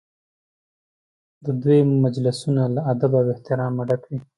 د دوی مجلسونه له ادب او احترامه ډک وي.